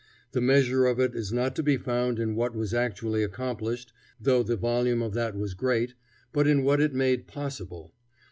The measure of it is not to be found in what was actually accomplished, though the volume of that was great, but in what it made possible.